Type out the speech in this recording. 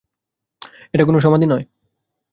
এটা কোনো সমাধি নয়।